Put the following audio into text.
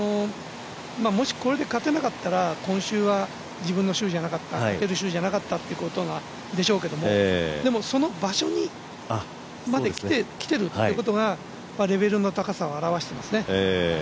もしこれで勝てなかったら、今週は自分の週じゃなかった勝てる週じゃなかったっていうことでしょうけど、その場所にきてるということがレベルの高さを表してますね。